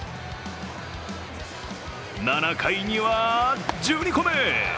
７回には１２個目。